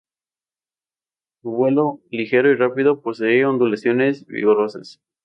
Su vuelo, ligero y rápido, posee ondulaciones vigorosas.